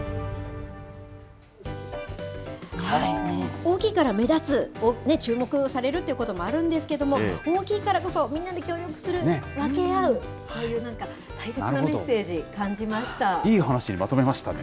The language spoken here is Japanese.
大きいから目立つ、注目されるということもあるんですけども、大きいからこそみんなで協力する、分け合う、そういうなんか、大切なメッセージ、感じいい話にまとめましたね。